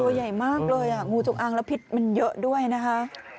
ตัวใหญ่มากเลยอ่ะงูจงอางแล้วพิษมันเยอะด้วยนะคะ